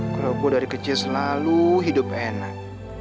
karena gue dari kecil selalu hidup enak